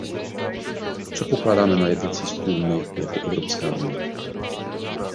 A co pokládáme na jednací stůl my jako Evropská unie?